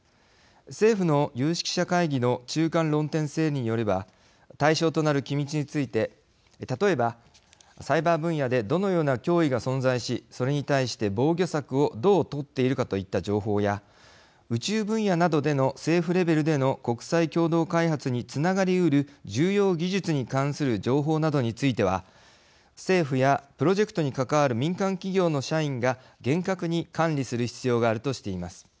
政府の有識者会議の中間論点整理によれば対象となる機密について例えば、サイバー分野でどのような脅威が存在しそれに対して防御策をどう取っているかといった情報や宇宙分野などでの政府レベルでの国際共同開発につながりうる重要技術に関する情報などについては政府や、プロジェクトに関わる民間企業の社員が厳格に管理する必要があるとしています。